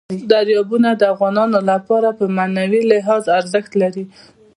دریابونه د افغانانو لپاره په معنوي لحاظ ارزښت لري.